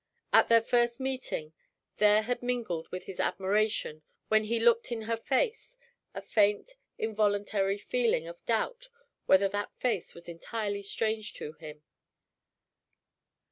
At their first meeting, there had mingled with his admiration, when he looked in her face, a faint, involuntary feeling of doubt whether that face was entirely strange to him.